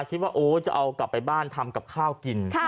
คิดว่าโอ้จะเอากลับไปบ้านทำกับข้าวกิน